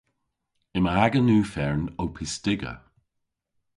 Yma agan ufern ow pystiga.